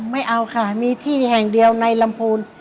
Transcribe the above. ไม่เอาค่ะมีที่แห่งเดียวในลำพูน